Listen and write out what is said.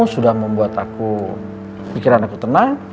sudah membuat aku pikiran aku tenang